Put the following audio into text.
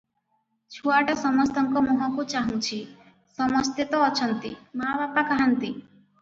ଛୁଆଟା ସମସ୍ତଙ୍କ ମୁହଁକୁ ଚାହୁଁଛି--ସମସ୍ତେ ତ ଅଛନ୍ତି, ମା ବାପା କାହାନ୍ତି?